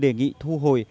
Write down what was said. đề nghị thu hồi